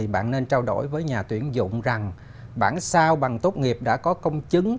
bạn nên trao đổi với nhà tuyển dụng rằng bản sao bằng tốt nghiệp đã có công chứng